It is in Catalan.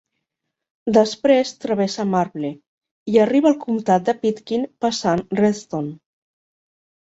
Després travessa Marble, i arriba al comtat de Pitkin passant Redstone.